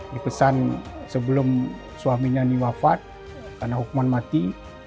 dipesan sebelum suaminya ini wafat karena hukuman mati